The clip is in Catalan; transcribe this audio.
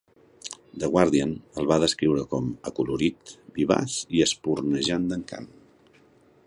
The Guardian el va descriure com "Acolorit, vivaç i espurnejant d'encant".